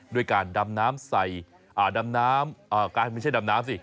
ด้วยการดำน้ำใส่ดำน้ำไม่ใช่ดำน้ำสิ